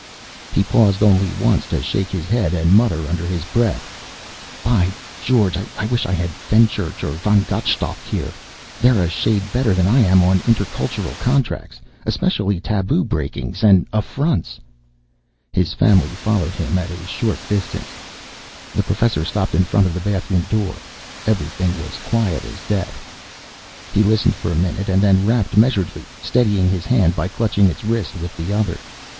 He paused only once to shake his head and mutter under his breath, "By George, I wish I had Fenchurch or von Gottschalk here. They're a shade better than I am on intercultural contracts, especially taboo breakings and affronts ..." His family followed him at a short distance. The Professor stopped in front of the bathroom door. Everything was quiet as death. He listened for a minute and then rapped measuredly, steadying his hand by clutching its wrist with the other.